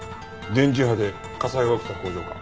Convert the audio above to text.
電磁波で火災が起きた工場か。